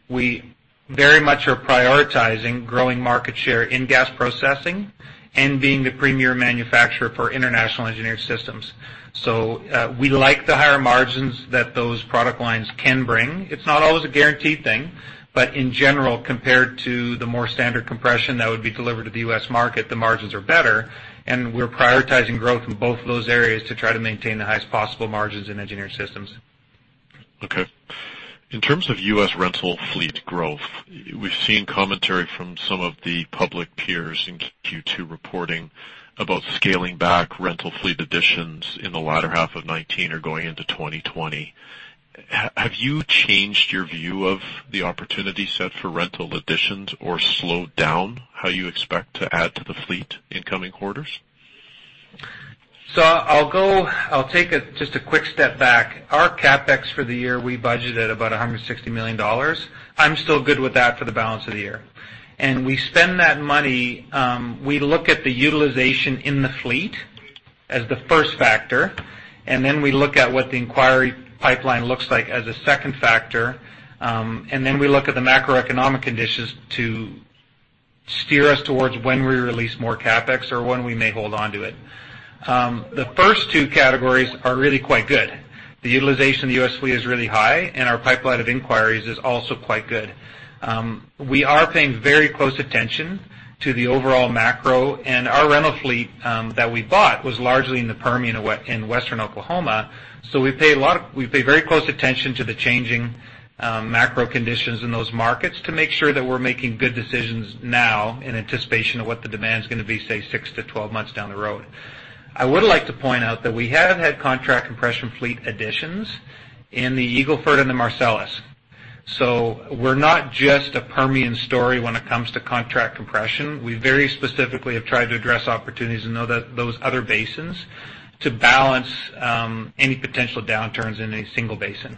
We very much are prioritizing growing market share in gas processing and being the premier manufacturer for international Engineered Systems. We like the higher margins that those product lines can bring. It's not always a guaranteed thing, but in general, compared to the more standard compression that would be delivered to the U.S. market, the margins are better, and we're prioritizing growth in both of those areas to try to maintain the highest possible margins in Engineered Systems. Okay. In terms of U.S. rental fleet growth, we've seen commentary from some of the public peers in Q2 reporting about scaling back rental fleet additions in the latter half of 2019 or going into 2020. Have you changed your view of the opportunity set for rental additions or slowed down how you expect to add to the fleet in coming quarters? I'll take just a quick step back. Our CapEx for the year, we budgeted about 160 million dollars. I'm still good with that for the balance of the year. We spend that money, we look at the utilization in the fleet as the first factor, and then we look at what the inquiry pipeline looks like as a second factor, and then we look at the macroeconomic conditions to steer us towards when we release more CapEx or when we may hold onto it. The first two categories are really quite good. The utilization of the U.S. fleet is really high, and our pipeline of inquiries is also quite good. We are paying very close attention to the overall macro, and our rental fleet that we bought was largely in the Permian in Western Oklahoma. We pay very close attention to the changing macro conditions in those markets to make sure that we're making good decisions now in anticipation of what the demand is going to be, say, 6 to 12 months down the road. I would like to point out that we have had contract compression fleet additions in the Eagle Ford and the Marcellus. We're not just a Permian story when it comes to contract compression. We very specifically have tried to address opportunities in those other basins to balance any potential downturns in a single basin.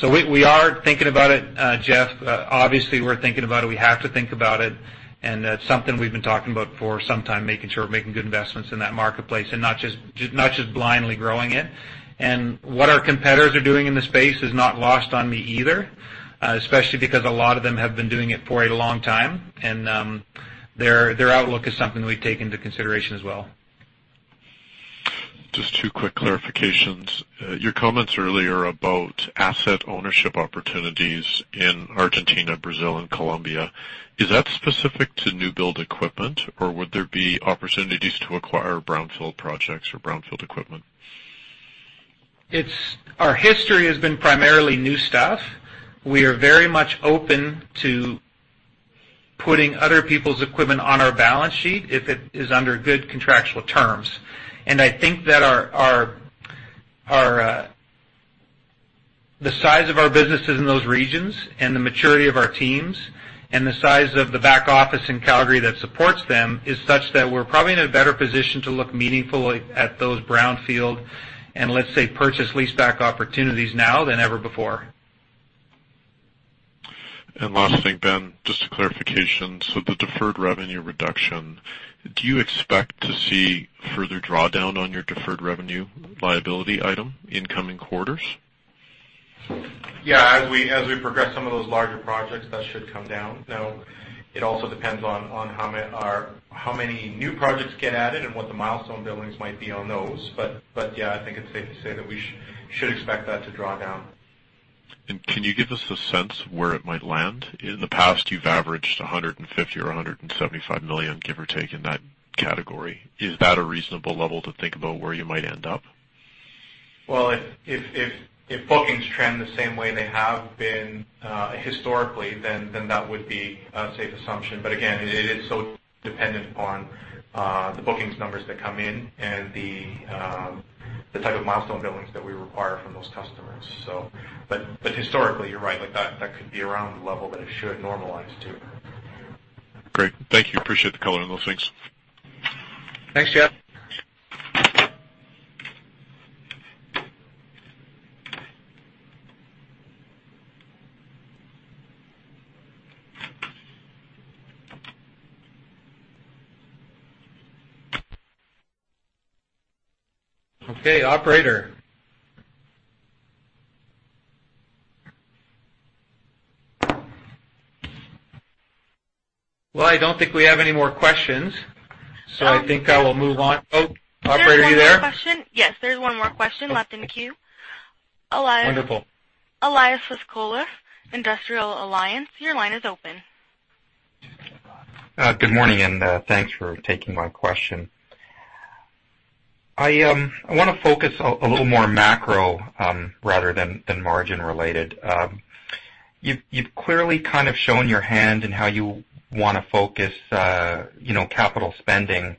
We are thinking about it, Jeff. Obviously, we're thinking about it. We have to think about it, and that's something we've been talking about for some time, making sure we're making good investments in that marketplace and not just blindly growing it. What our competitors are doing in the space is not lost on me either, especially because a lot of them have been doing it for a long time, and their outlook is something we take into consideration as well. Just two quick clarifications. Your comments earlier about asset ownership opportunities in Argentina, Brazil, and Colombia, is that specific to new build equipment, or would there be opportunities to acquire brownfield projects or brownfield equipment? Our history has been primarily new stuff. We are very much open to putting other people's equipment on our balance sheet if it is under good contractual terms. I think that the size of our businesses in those regions and the maturity of our teams and the size of the back office in Calgary that supports them is such that we're probably in a better position to look meaningfully at those brownfield and, let's say, purchase leaseback opportunities now than ever before. Last thing, Ben, just a clarification. The deferred revenue reduction, do you expect to see further drawdown on your deferred revenue liability item in coming quarters? As we progress some of those larger projects, that should come down. It also depends on how many new projects get added and what the milestone billings might be on those. I think it's safe to say that we should expect that to draw down. Can you give us a sense where it might land? In the past, you've averaged 150 million or 175 million, give or take, in that category. Is that a reasonable level to think about where you might end up? Well, if bookings trend the same way they have been historically, then that would be a safe assumption. Again, it is so dependent upon the bookings numbers that come in and the type of milestone billings that we require from those customers. Historically, you're right. That could be around the level that it should normalize to. Great. Thank you. Appreciate the color on those things. Thanks, Jeff. Okay, operator. Well, I don't think we have any more questions, so I think I will move on. Oh, operator, are you there? There's one more question. Yes, there's one more question left in the queue. Elias. Wonderful. Elias Foscolos, Industrial Alliance Securities, your line is open. Good morning. Thanks for taking my question. I want to focus a little more macro rather than margin related. You've clearly kind of shown your hand in how you want to focus capital spending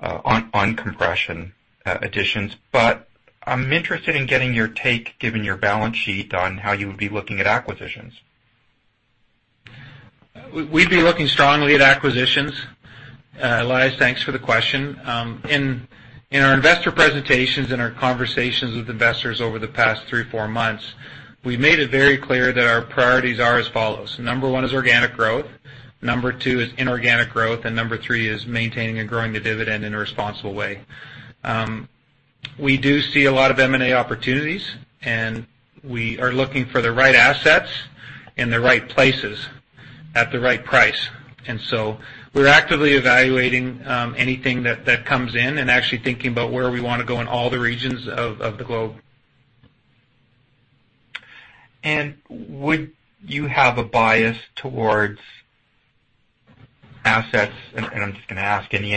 on compression additions. I'm interested in getting your take, given your balance sheet, on how you would be looking at acquisitions. We'd be looking strongly at acquisitions. Elias, thanks for the question. In our investor presentations and our conversations with investors over the past three, four months, we've made it very clear that our priorities are as follows. Number one is organic growth, number two is inorganic growth, and number three is maintaining and growing the dividend in a responsible way. We do see a lot of M&A opportunities, and we are looking for the right assets in the right places at the right price. We're actively evaluating anything that comes in and actually thinking about where we want to go in all the regions of the globe. Would you have a bias towards assets, and I'm just going to ask, in the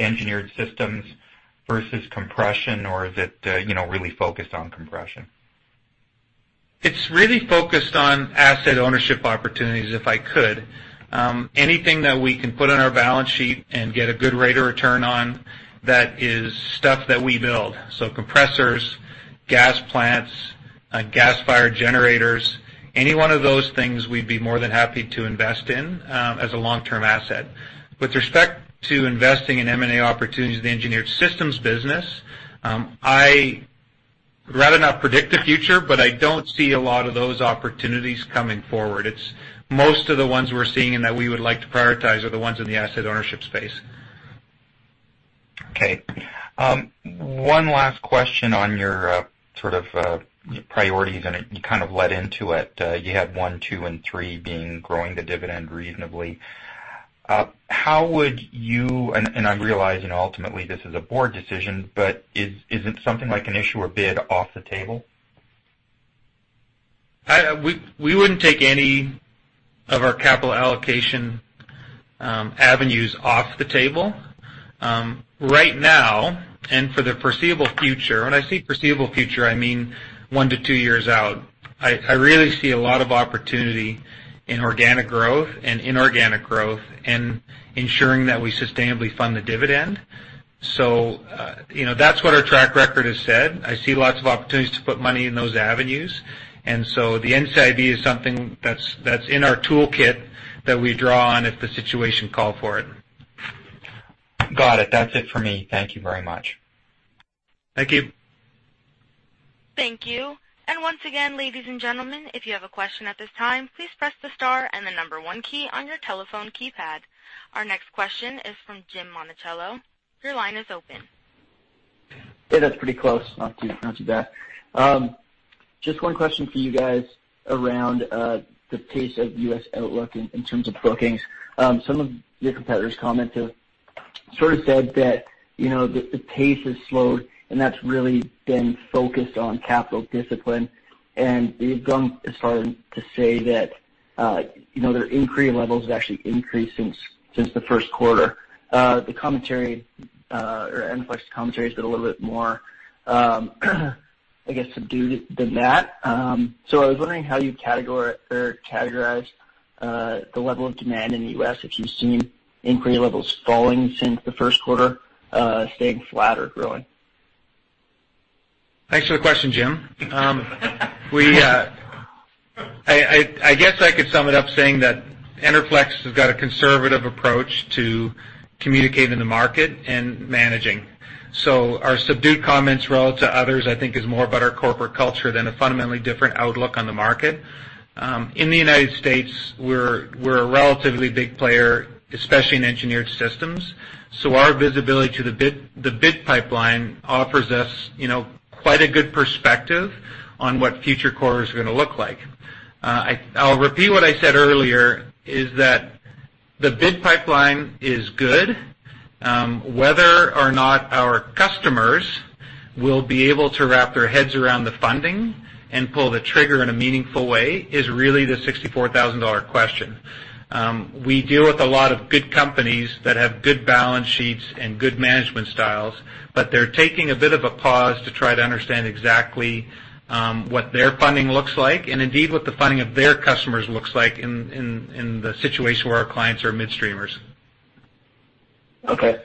Engineered Systems versus compression, or is it really focused on compression? It's really focused on asset ownership opportunities, if I could. Anything that we can put on our balance sheet and get a good rate of return on, that is stuff that we build. So compressors, gas plants, gas-fired generators, any one of those things we'd be more than happy to invest in as a long-term asset. With respect to investing in M&A opportunities in the Engineered Systems business, I'd rather not predict the future, but I don't see a lot of those opportunities coming forward. Most of the ones we're seeing and that we would like to prioritize are the ones in the asset ownership space. Okay. One last question on your sort of priorities, and you kind of led into it. You had one, two, and three being growing the dividend reasonably. How would you, and I'm realizing ultimately this is a board decision, but is it something like an issue or bid off the table? We wouldn't take any of our capital allocation avenues off the table. Right now, and for the foreseeable future, when I say foreseeable future, I mean one to two years out. I really see a lot of opportunity in organic growth and inorganic growth and ensuring that we sustainably fund the dividend. That's what our track record has said. I see lots of opportunities to put money in those avenues. The NCIB is something that's in our toolkit that we draw on if the situation called for it. Got it. That's it for me. Thank you very much. Thank you. Thank you. Once again, ladies and gentlemen, if you have a question at this time, please press the star and the number one key on your telephone keypad. Our next question is from Tim Monachello. Your line is open. Hey, that's pretty close. Not too bad. Just one question for you guys around the pace of U.S. outlook in terms of bookings. Some of your competitors' comments have sort of said that the pace has slowed, and that's really been focused on capital discipline. They've gone as far to say that their inquiry levels have actually increased since the first quarter. The commentary, or Enerflex commentary, has been a little bit more, I guess, subdued than that. I was wondering how you'd categorize the level of demand in the U.S., if you've seen inquiry levels falling since the first quarter, staying flat or growing. Thanks for the question, Tim. I guess I could sum it up saying that Enerflex has got a conservative approach to communicating the market and managing. Our subdued comments relative to others, I think, is more about our corporate culture than a fundamentally different outlook on the market. In the U.S., we're a relatively big player, especially in Engineered Systems. Our visibility to the bid pipeline offers us quite a good perspective on what future quarters are going to look like. I'll repeat what I said earlier, is that the bid pipeline is good. Whether or not our customers will be able to wrap their heads around the funding and pull the trigger in a meaningful way is really the 64,000 question. We deal with a lot of good companies that have good balance sheets and good management styles, but they're taking a bit of a pause to try to understand exactly what their funding looks like, and indeed what the funding of their customers looks like in the situation where our clients are midstreamers. Okay.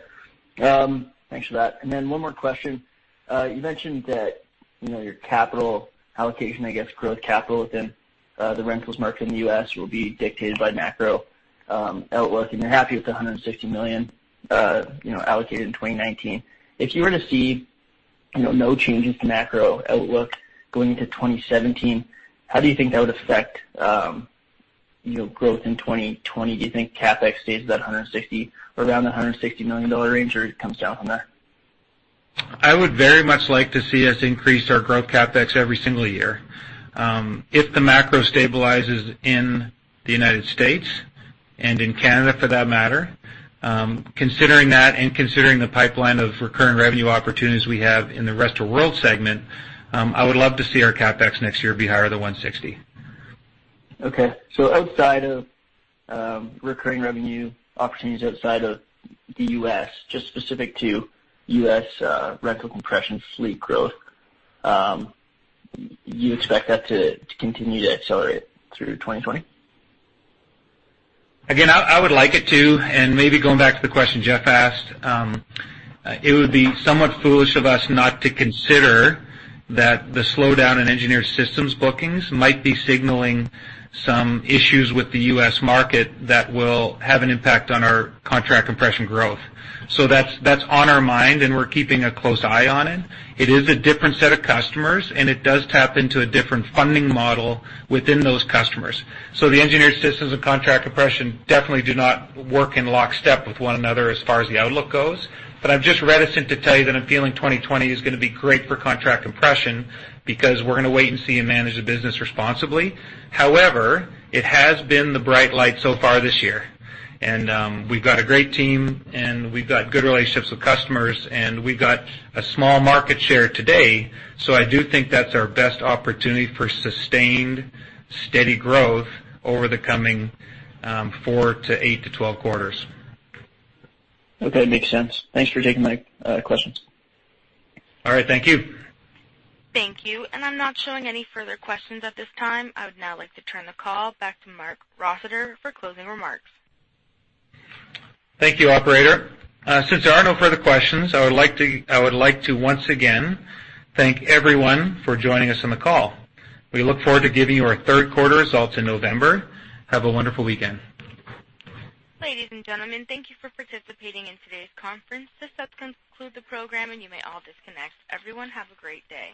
Thanks for that. One more question. You mentioned that your capital allocation, I guess growth capital within the rentals market in the U.S. will be dictated by macro outlook, and you're happy with the 160 million allocated in 2019. If you were to see no changes to macro outlook going into 2017, how do you think that would affect growth in 2020? Do you think CapEx stays at that 160 or around the 160 million dollar range, or it comes down from there? I would very much like to see us increase our growth CapEx every single year. If the macro stabilizes in the United States and in Canada for that matter, considering that and considering the pipeline of recurring revenue opportunities we have in the Rest of World segment, I would love to see our CapEx next year be higher than 160. Okay. Outside of recurring revenue opportunities outside of the U.S., just specific to U.S. rental compression fleet growth, you expect that to continue to accelerate through 2020? Again, I would like it to, and maybe going back to the question Jeff asked, it would be somewhat foolish of us not to consider that the slowdown in Engineered Systems bookings might be signaling some issues with the U.S. market that will have an impact on our contract compression growth. That's on our mind, and we're keeping a close eye on it. It is a different set of customers, and it does tap into a different funding model within those customers. The Engineered Systems of contract compression definitely do not work in lockstep with one another as far as the outlook goes. I'm just reticent to tell you that I'm feeling 2020 is going to be great for contract compression because we're going to wait and see and manage the business responsibly. It has been the bright light so far this year, and we've got a great team, and we've got good relationships with customers, and we've got a small market share today. I do think that's our best opportunity for sustained, steady growth over the coming four to eight to 12 quarters. Okay. Makes sense. Thanks for taking my questions. All right. Thank you. Thank you. I'm not showing any further questions at this time. I would now like to turn the call back to Marc Rossiter for closing remarks. Thank you, operator. Since there are no further questions, I would like to once again thank everyone for joining us on the call. We look forward to giving you our third quarter results in November. Have a wonderful weekend. Ladies and gentlemen, thank you for participating in today's conference. This does conclude the program and you may all disconnect. Everyone have a great day.